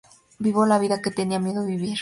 Vivo la vida que tenía miedo vivir.